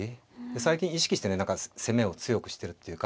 最近意識してね何か攻めを強くしてるっていうか